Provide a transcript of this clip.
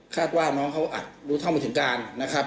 คาดว่าน้องเขาอาจรู้เท่าหมดถึงการ